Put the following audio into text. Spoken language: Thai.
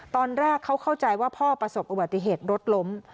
ตอนแรกเขาเข้าใจว่าพ่อประสบอุบัติเหตุรถล้ม